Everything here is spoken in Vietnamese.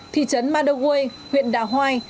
thị trấn madaway huyện đà hoai